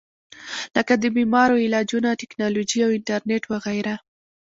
لکه د بيمارو علاجونه ، ټېکنالوجي او انټرنيټ وغېره